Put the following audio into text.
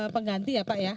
pengganti ya pak ya